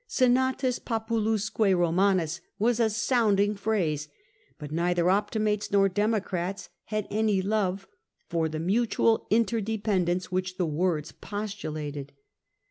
Senatus Popuhisqm Eomanus was a sounding phrase, but neither Optimates nor Democrats had any love for the mutual interdependence which the words postulated.